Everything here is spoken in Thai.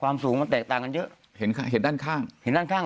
สูงมันแตกต่างกันเยอะเห็นข้างเห็นด้านข้างเห็นด้านข้าง